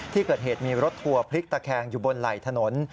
ที่เกิดเหตุมีรถทัวร์พลิกตะแคงอยู่บนไหล่ถนน